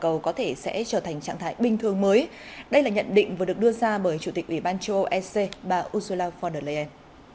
cầu có thể sẽ trở thành trạng thái bình thường mới đây là nhận định vừa được đưa ra bởi chủ tịch ủy ban châu âu ec bà ursula von der leyen